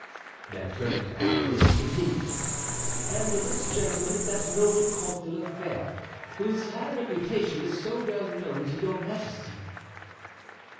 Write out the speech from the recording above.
Then turning to Athos, he continued, "And this gentleman is that noble Comte de la Fere, whose high reputation is so well known to your majesty."